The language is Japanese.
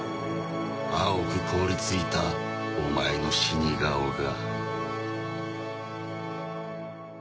青く凍りついたお前の死に顔が。